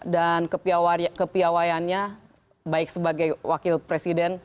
dan kepiawayannya baik sebagai wakil presiden